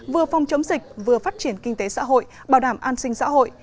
vừa phòng chống dịch vừa phát triển kinh tế xã hội bảo đảm an sinh xã hội